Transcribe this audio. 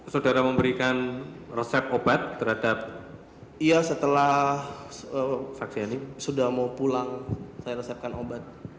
saudara memberikan resep obat terhadap iya setelah faksi ani sudah mau pulang saya resepkan obat